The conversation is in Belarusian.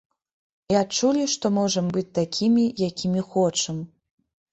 І адчулі, што можам быць такімі, якімі хочам.